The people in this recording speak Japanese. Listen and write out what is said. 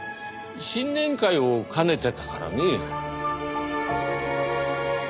新年会を兼ねてたからね。